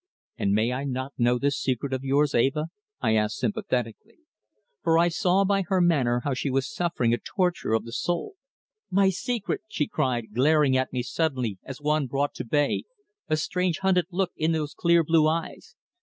"And may I not know this secret of yours, Eva?" I asked sympathetically, for I saw by her manner how she was suffering a torture of the soul. "My secret!" she cried, glaring at me suddenly as one brought to bay, a strange, hunted look in those clear blue eyes.